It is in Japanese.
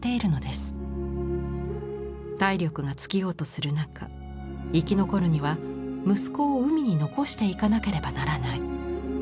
体力が尽きようとする中生き残るには息子を海に残していかなければならない。